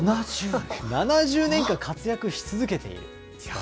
７０年間活躍し続けている。